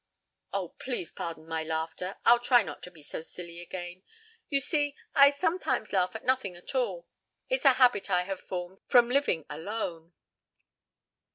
"Oh, please pardon my laughter. I'll try not to be so silly again. You see, I sometimes laugh at nothing at all. It is a habit I have formed from living alone."